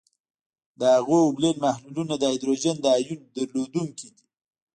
د هغوي اوبلن محلولونه د هایدروجن د آیون لرونکي دي.